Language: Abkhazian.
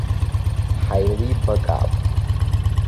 Ҳаилибакаап.